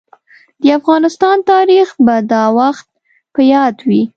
د افغانستان تاريخ به دا وخت په ياد وي.